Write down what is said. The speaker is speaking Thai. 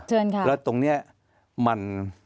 เชิญค่ะแล้วตรงนี้มัน